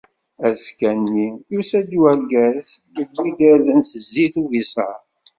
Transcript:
Azekka-nni, yusa-d urgaz, yewwi-d irden d zzit d ubisar.